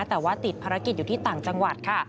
แต่ว่าติดภารกิจอยู่ที่ต่างจังหวัดค่ะ